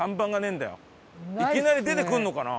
いきなり出てくるのかな？